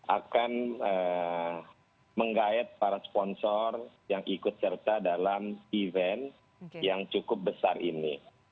akan menggayat para sponsor yang ikut serta dalam event yang cukup besar ini